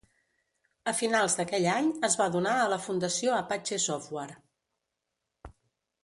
A finals d'aquell any es va donar a la Fundació Apache Software.